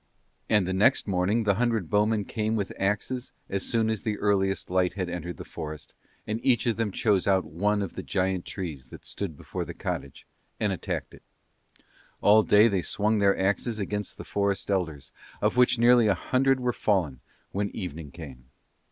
And next morning the hundred bowmen came with axes as soon as the earliest light had entered the forest, and each of them chose out one of the giant trees that stood before the cottage, and attacked it. All day they swung their axes against the forest's elders, of which nearly a hundred were fallen when evening came.